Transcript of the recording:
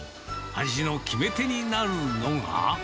味の決め手になるのが。